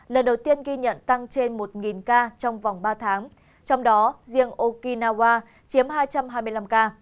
lần đầu tiên ghi nhận tăng trên một ca trong vòng ba tháng trong đó riêng okinawa chiếm hai trăm hai mươi năm ca